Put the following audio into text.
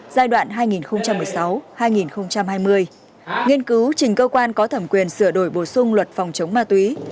giai đoạn hai nghìn một mươi sáu hai nghìn hai mươi nghiên cứu trình cơ quan có thẩm quyền sửa đổi bổ sung luật phòng chống ma túy